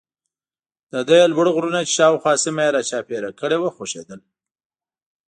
د ده یې لوړ غرونه چې شاوخوا سیمه یې را چاپېره کړې وه خوښېدل.